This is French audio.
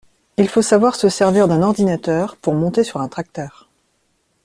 Il faut savoir se servir d’un ordinateur pour monter sur un tracteur.